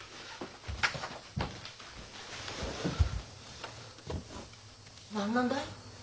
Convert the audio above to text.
うん。何なんだい？